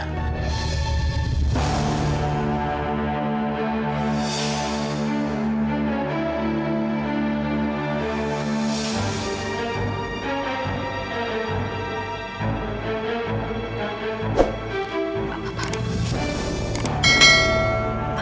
aida itu kan adalah anaknya